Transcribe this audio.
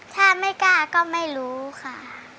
ถ้าไม่กล้าก็ไม่รู้ค่ะ